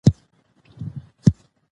د ژوند هره کړنه د شخصیت ودې لامل ده.